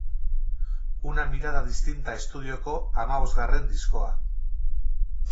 Una mirada distinta estudioko hamabosgarren diskoa.